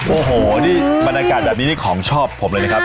โอ้โหนี่บรรยากาศแบบนี้นี่ของชอบผมเลยนะครับ